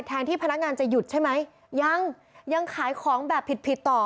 ที่พนักงานจะหยุดใช่ไหมยังยังขายของแบบผิดผิดต่อ